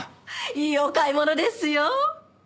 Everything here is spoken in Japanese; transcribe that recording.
いいお買い物ですよ。